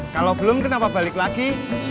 kalau belum kenapa balik lagi